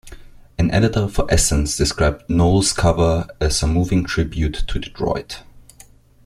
An editor for "Essence" described Knowles' cover as a "moving tribute to Detroit".